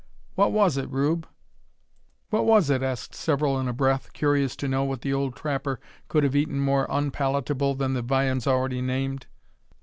"What was it, Rube?" "What was it?" asked several in a breath, curious to know what the old trapper could have eaten more unpalatable than the viands already named.